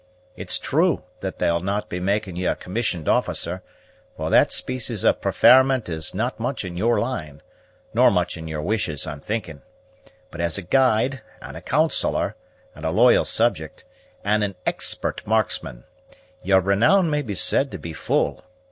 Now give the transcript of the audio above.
It's true that they'll not be making ye a commissioned officer, for that species of prefairment is not much in your line, nor much in your wishes, I'm thinking; but as a guide, and a counsellor, and a loyal subject, and an expert marksman, yer renown may be said to be full.